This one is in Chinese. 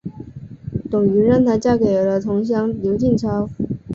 董瑀让她嫁给了同乡刘进超。